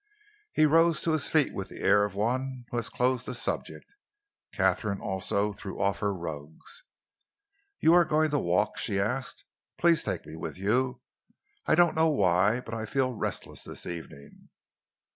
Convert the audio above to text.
He rose to his feet with the air of one who has closed the subject. Katharine also threw off her rugs. "You are going to walk?" she asked. "Please take me with you. I don't know why, but I feel restless this evening."